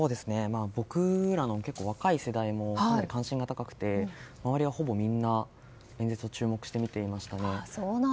僕らの若い世代も関心が高くて周りはほぼみんな演説に注目して見ていましたね。